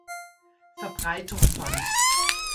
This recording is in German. Verbreitung fand.